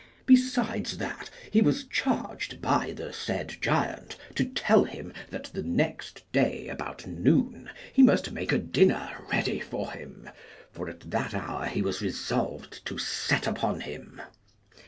Besides that, he was charged by the said giant to tell him that the next day, about noon, he must make a dinner ready for him, for at that hour he was resolved to set upon him.